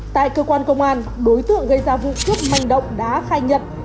tại cơ quan công an đối tượng gây ra vụ cướp manh động đã khai nhận